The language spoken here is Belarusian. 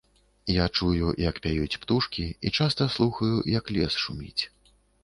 Я чую, як пяюць птушкі, і часта слухаю, як лес шуміць.